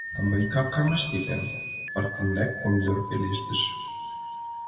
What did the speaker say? — А мый капкам ыштенам... — аптыраненрак Помидор пелештыш.